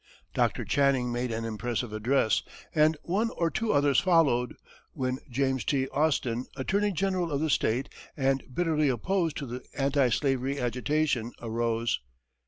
Dr. Channing made an impressive address, and one or two others followed, when James T. Austin, attorney general of the state, and bitterly opposed to the anti slavery agitation, arose.